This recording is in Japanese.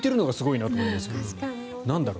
なんだろう。